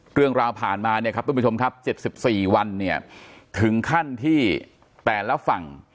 เรื่องราวผ่านมาต้นผู้ชมครับ๗๔วันถึงขั้นที่แต่ละฝั่ง